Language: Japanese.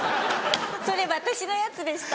それ私のやつでした。